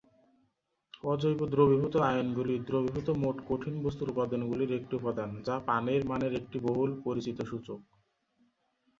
অজৈব দ্রবীভূত আয়নগুলি দ্রবীভূত মোট কঠিন বস্তুর উপাদানগুলির একটি উপাদান, যা পানির মানের একটি বহুল পরিচিত সূচক।